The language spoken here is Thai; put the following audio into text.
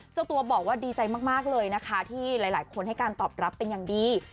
เจ้าตัวบอกว่าดีใจมากเลยนะคะที่หลายคนให้การตอบรับเป็นอย่างดี